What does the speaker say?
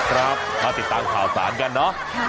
ครับมาติดตามข่าวสารกันเนาะ